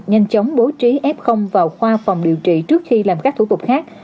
nhanh chóng bố trí f vào khoa phòng điều trị trước khi làm các thủ tục khác